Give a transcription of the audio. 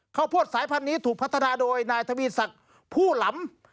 ข้าวโพดสายพันธุ์นี้ถูกพัฒนาโดยนายทวีศักดิ์ผู้หลำ